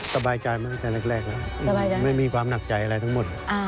สบายใจมาตั้งแต่แรกแล้วไม่มีความหนักใจอะไรทั้งหมด